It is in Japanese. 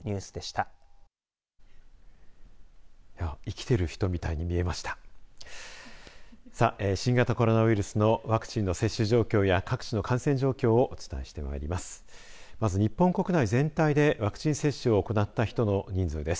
さて新型コロナウイルスのワクチンの接種状況や各地の感染状況をお伝えしてまいります。